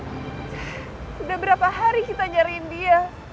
sudah berapa hari kita nyariin dia